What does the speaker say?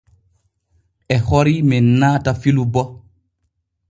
E hori men naata filu bo.